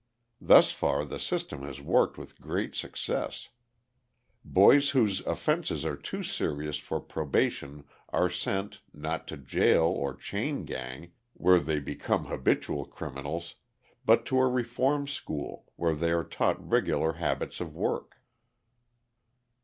Thus far the system has worked with great success. Boys whose offences are too serious for probation are sent, not to a jail or chain gang, where they become habitual criminals, but to a reform school, where they are taught regular habits of work.